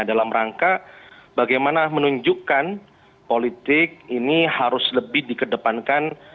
dalam rangka bagaimana menunjukkan politik ini harus lebih dikedepankan